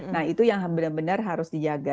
nah itu yang benar benar harus dijaga